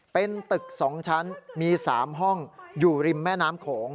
เป็นตึก๒ชั้นมี๓ห้องอยู่ริมแม่น้ำโขง